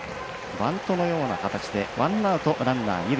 バントのような形でワンアウトランナー、二塁。